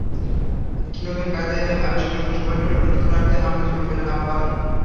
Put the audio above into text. নিত্যনতুন কায়দা আবিষ্কার করে সবাইকে তটস্থ রাখতে আমার জুড়ি মেলা ভার।